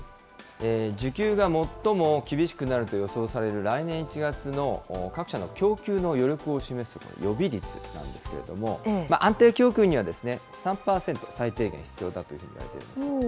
需給が最も厳しくなると予想される来年１月の各社の供給の余力を示す予備率なんですけれども、安定供給には３％、最低限必要だというふうにいわれています。